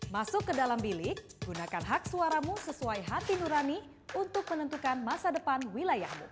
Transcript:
masuk ke dalam bilik gunakan hak suaramu sesuai hati nurani untuk menentukan masa depan wilayahmu